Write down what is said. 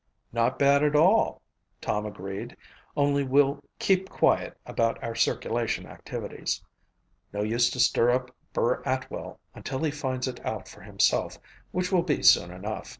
"Not bad at all," Tom agreed. "Only, we'll keep quiet about our circulation activities. No use to stir up Burr Atwell until he finds it out for himself, which will be soon enough."